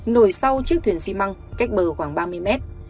nổi sau chiếc thuyền xi măng cách bờ khoảng ba mươi mét